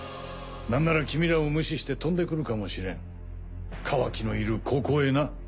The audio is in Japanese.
なんなら君らを無視して飛んでくるかもしれんカワキのいるここへな。